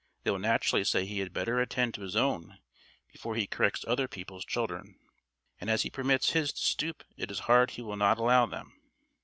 They will naturally say he had better attend to his own before he corrects other people's children, and as he permits his to stoop it is hard he will not allow them.